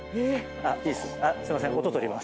「あっすいません」